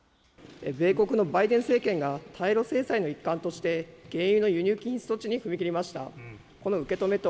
米国のバイデン政権が、対ロ制裁の一環として、原油の輸入禁輸措置に踏み切りました。